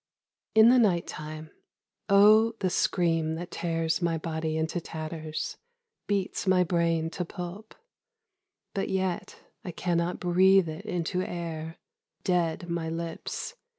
In the night time, O the scream that tears my body into tatters, Beats my brain to pulp :— but yet I cannot breathe it into air : Dead my lips.